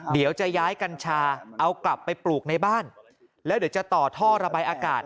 เดี๋ยวจะย้ายกัญชาเอากลับไปปลูกในบ้านแล้วเดี๋ยวจะต่อท่อระบายอากาศ